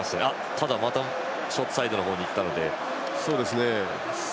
ただ、またショートサイドに行ったので。